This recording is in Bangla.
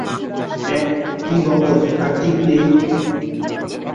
আঃ, কী বকছ তার ঠিক নেই।